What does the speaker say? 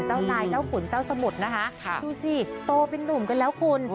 เจ้านายเจ้าขุนเจ้าสมุทรนะคะดูสิโตเป็นนุ่มกันแล้วคุณ